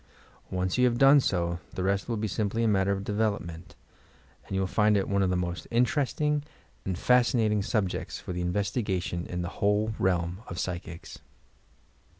Once you have done so, the rest will be simply a matter of development ; and you will find it one of the moat in teresting and fascinating subjects for investigation in the whole realm of psychics.